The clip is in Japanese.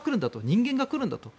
人間が来るんだと。